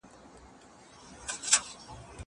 زه پرون سبزېجات وچول!!